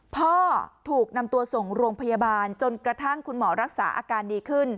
พ่อถูกนำตัวส่งโรงพยาบาลจนกระทั่งคุณหมอรักษาอาการดีขึ้น